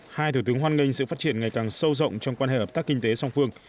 hai thủ tướng hoan nghênh sự phát triển ngày càng sâu rộng trong quan hệ hợp tác kinh tế song phương